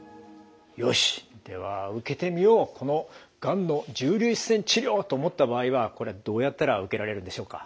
よしでは受けてみようこのがんの重粒子線治療と思った場合はこれはどうやったら受けられるんでしょうか？